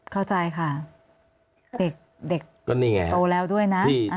เข้าใจค่ะเด็กโปแล้วด้วยนะ